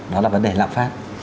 đó là vấn đề lạc phát